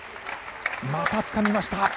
またつかみました。